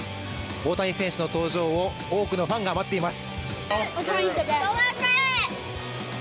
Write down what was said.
大谷選手の登場を多くのファンが待っています。